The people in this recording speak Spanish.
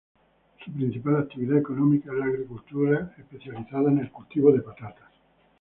Su principal actividad económica es la agricultura, especializada en el cultivo de patatas.